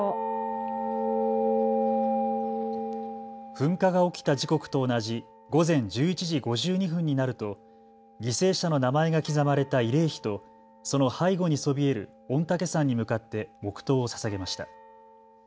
噴火が起きた時刻と同じ午前１１時５２分になると犠牲者の名前が刻まれた慰霊碑とその背後にそびえる御嶽山に向かって黙とうをささげました。